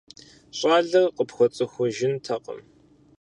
Щӏалэр къыпхуэцӀыхужынтэкъым.